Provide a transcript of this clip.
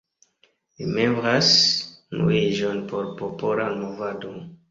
Li membras Unuiĝon por Popola Movado.